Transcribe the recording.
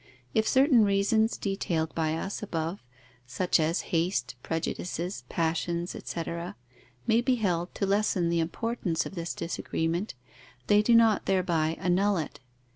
If certain reasons detailed by us, above, such as haste, prejudices, passions, etc., may be held to lessen the importance of this disagreement, they do not thereby annul it.